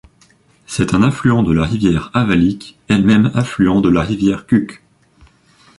C'est un affluent de la rivière Avalik, elle-même affluent de la rivière Kuk.